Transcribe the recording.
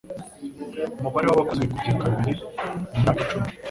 Umubare w'abakozi wikubye kabiri mu myaka icumi.